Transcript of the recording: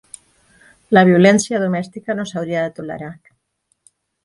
La violència domèstica no s'hauria de tolerar.